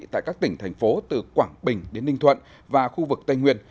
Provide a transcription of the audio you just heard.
tại các tỉnh thành phố từ quảng bình đến ninh thuận và khu vực tây nguyên